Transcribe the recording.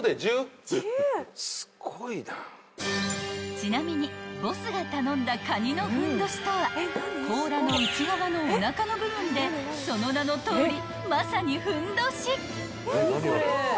［ちなみにボスが頼んだカニのふんどしとは甲羅の内側のおなかの部分でその名のとおりまさにふんどし］